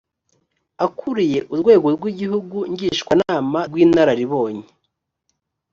akuriye urwego rw’igihugu ngishwanama rw’inararibonye